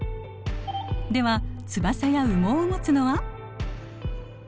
では翼や羽毛をもつのは？